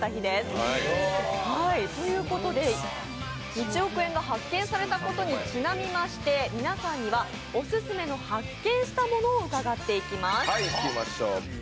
１億円が発見されたことにちなみまして皆さんにはオススメの発見したものを伺がっていきます。